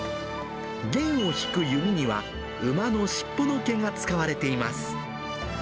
弦を弾く弓には、馬の尻尾の毛が使われています。